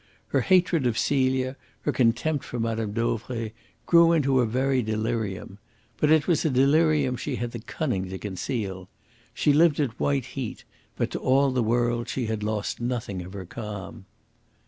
Her hatred of Celia, her contempt for Mme. Dauvray, grew into a very delirium. But it was a delirium she had the cunning to conceal. She lived at white heat, but to all the world she had lost nothing of her calm.